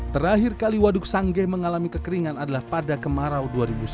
terakhir kali waduk sanggeh mengalami kekeringan adalah pada kemarau dua ribu sembilan belas